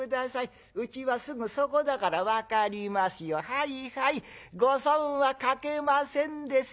はいはいご損はかけませんですよ。